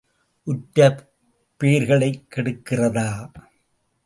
உற்ற பேர்களைக் கெடுக்கிறதா?